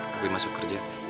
kepi masuk kerja